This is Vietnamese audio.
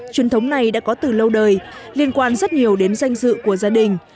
truyền thống này đã có từ lâu đời liên quan rất nhiều đến danh dự của gia đình